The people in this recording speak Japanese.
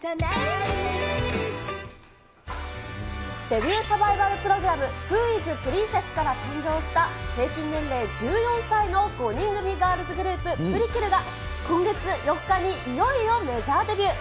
デビューサバイバルプログラム、ＷｈｏｉｓＰｒｉｎｃｅｓｓ？から誕生した平均年齢１４歳の５人組ガールズグループ、ＰＲＩＫＩＬが、今月４日にいよいよメジャーデビュー。